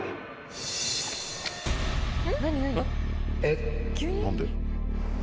えっ？